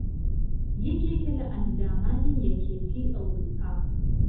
یەکێکە لە ئەندامانی یەکێتیی ئەووروپا